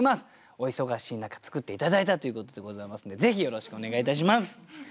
お忙しい中作って頂いたということでございますのでぜひよろしくお願いいたします。